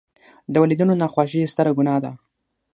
د والداینو ناخوښي ستره ګناه ده.